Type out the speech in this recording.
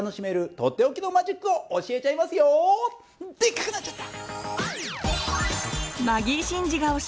でっかくなっちゃった！